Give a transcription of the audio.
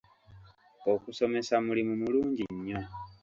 Okusomesa mulimu mulungi nnyo.